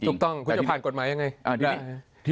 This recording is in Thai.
ถูกต้องคุณจะผ่านกฎหมายยังไง